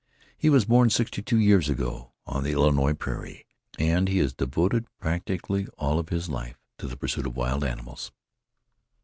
He was born sixty two years ago on the Illinois prairie, and he has devoted practically all of his life to the pursuit of wild animals.